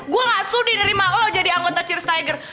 gue gak sudi nerima lo jadi anggota cheers tiger